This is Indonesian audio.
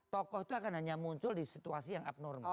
tokoh itu akan hanya muncul di situasi yang abnormal